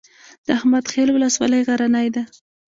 د احمد خیل ولسوالۍ غرنۍ ده